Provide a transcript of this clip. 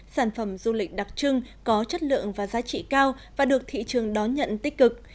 sản phẩm du lịch đặc trưng có chất lượng và giá trị cao và được thị trường đón nhận tích cực